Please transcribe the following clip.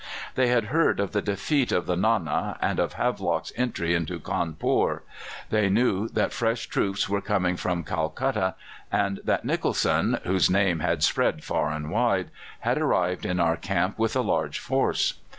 They had heard of the defeat of the Nana, and of Havelock's entry into Cawnpore; they knew that fresh troops were coming from Calcutta, and that Nicholson, whose name had spread far and wide, had arrived in our camp with a large force.